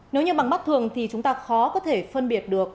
nếu như bằng mắt thường thì chúng ta khó có thể phân biệt được